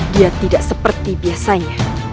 dia tidak seperti biasanya